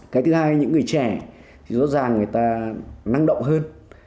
cái thứ hai những người trẻ thì rõ ràng người ta năng động hơn